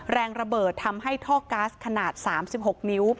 แรงระเบิดทำให้ท่อก๊าซขนาด๓๖นิ้ว